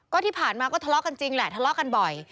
ก็ที่ผ่านมาก็ทะเลาะกันจริงแหละทะเลาะกันบ่อย